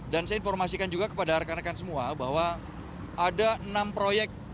dan saya informasikan juga kepada rekan rekan semua bahwa ada enam proyek